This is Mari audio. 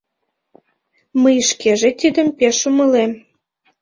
— Мый шкеже тидым пеш умылем